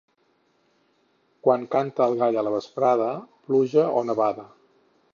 Quan canta el gall a la vesprada, pluja o nevada.